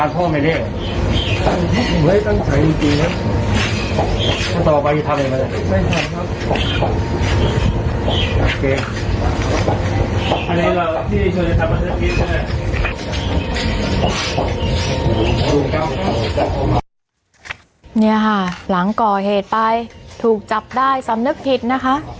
นี่ค่ะหลังก่อเหตุไปถูกจับได้สำนึกผิดนะคะ